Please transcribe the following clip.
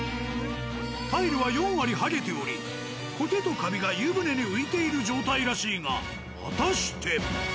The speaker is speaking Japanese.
タイルは４割ハゲておりコケとカビが湯船に浮いている状態らしいが果たして？